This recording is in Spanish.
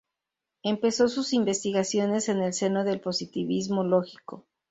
Empezó sus investigaciones en el seno del positivismo lógico.